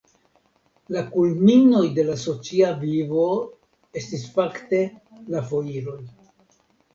La kulminoj de la socia vivo estis fakte la foiroj.